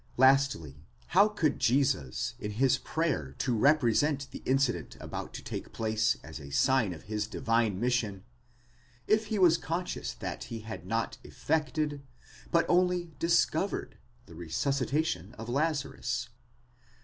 Lastly, how could Jesus in his prayer represent the incident about to take place as a sign of his divine mission, if he was conscious that he had not effected, but only dis covered, the resuscitation of Lazarus?